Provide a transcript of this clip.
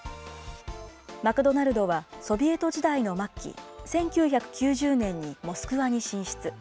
マクドナルドは、ソビエト時代の末期、１９９０年にモスクワに進出。